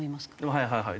はいはいはい。